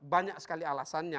banyak sekali alasannya